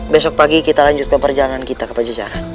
besok pagi kita lanjutkan perjalanan kita ke pajajaran